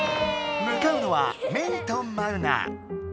むかうのはメイとマウナ！